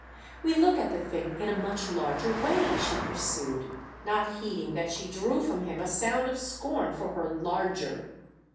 "We look at the thing in a much larger way," she pursued, not heeding that she drew from him a sound of scorn for her "larger."